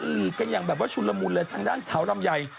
ลีกกันอย่างแบบว่าชุนละมุนเลยทางด้านแถวลำไย